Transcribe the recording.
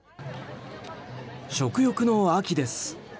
食欲の秋です。